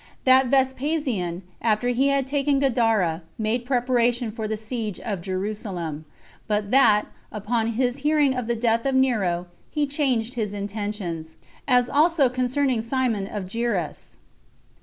That Vespasian, After He Had Taken Gadara Made Preparation For The Siege Of Jerusalem; But That, Upon His Hearing Of The Death Of Nero, He Changed His Intentions. As Also Concerning Simon Of Geras.